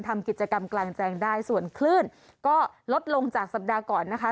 ทำกิจกรรมกลางแจ้งได้ส่วนคลื่นก็ลดลงจากสัปดาห์ก่อนนะคะ